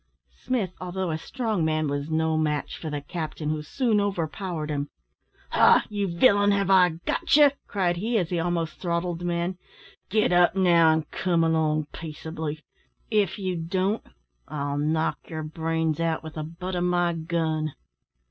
Smith, although a strong man, was no match for the captain, who soon overpowered him. "Ha! you villain, have I got you?" cried he, as he almost throttled the man. "Get up now, an' come along peaceably. If you don't, I'll knock your brains out with the butt of my gun."